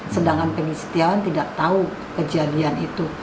sedangkan peni setiawan tidak tahu kejadian itu